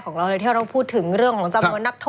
ของเราเลยที่เราพูดถึงเรื่องของจำนวนนักโทษ